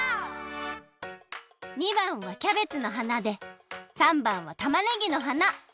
②ばんはキャベツの花で③ばんはたまねぎの花。